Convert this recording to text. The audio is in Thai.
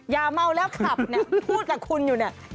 อย่าเมาแล้วขับเนี่ยพูดกับคุณอยู่เนี่ย